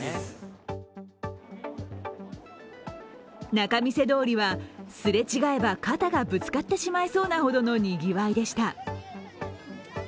仲見世通りは擦れ違えば肩がぶつかってしまいそうなほどのにぎわいでした。